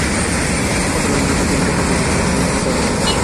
কদর আলী নিজের জমি দাবি করলেও গ্রামবাসীর দাবি, জমিটি গ্রামের কবরস্থানের জন্য।